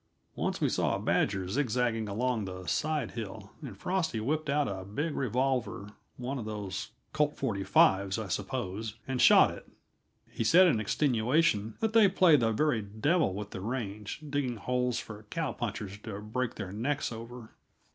Once we saw a badger zigzagging along a side hill, and Frosty whipped out a big revolver one of those "Colt 45's," I suppose and shot it; he said in extenuation that they play the very devil with the range, digging holes for cow punchers to break their necks over.